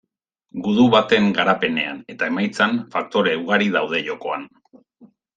Gudu baten garapenean eta emaitzan, faktore ugari daude jokoan.